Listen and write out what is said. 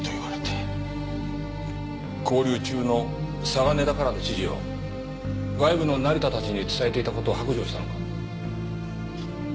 勾留中の嵯峨根田からの指示を外部の成田たちに伝えていた事を白状したのか？